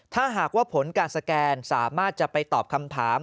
ถ้าหากว่าผลการสแกนสามารถจะไปตอบคำถาม